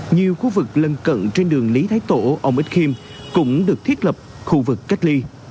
nhiều khu vực lân cận trên đường lý thái tổ ông ích khiêm cũng được thiết lập khu vực cách ly